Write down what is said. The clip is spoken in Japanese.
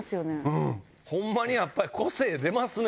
うんホンマにやっぱり個性出ますね